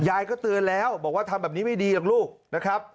ยายก็เตือนแล้วบอกว่าทำแบบนี้ไม่ดีหรอกลูกนะครับ